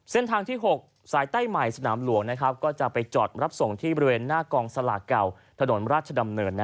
เส้นทางที่๖สายใต้ใหม่สนามหลวงก็จะไปจอดรับส่งที่บริเวณหน้ากองสลากเก่าถนนราชดำเนิน